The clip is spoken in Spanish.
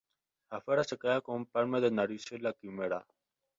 Afuera se queda con un palmo de narices la quimera.